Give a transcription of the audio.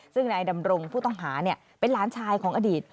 ซึ่งนายดำรงผู้ต้องหาเป็นหลานชายของอดีต